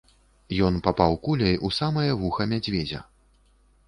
Ён папаў куляй у самае вуха мядзведзя.